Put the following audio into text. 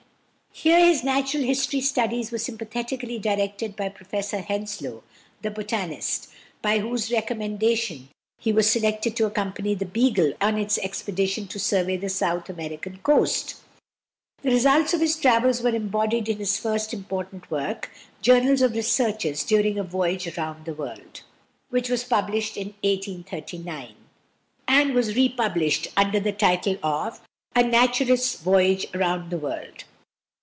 Here his natural history studies were sympathetically directed by Professor Henslow, the botanist, by whose recommendation he was selected to accompany the Beagle on its expedition to survey the South American coast. The results of his travels were embodied in his first important work, "Journals of Researches during a Voyage round the World," which was published in 1839, and was republished under the title of "A Naturalist's Voyage round the World."